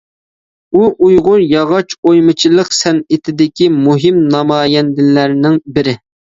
ئۇ ئۇيغۇر ياغاچ ئويمىچىلىق سەنئىتىدىكى مۇھىم نامايەندىلەرنىڭ بىرى.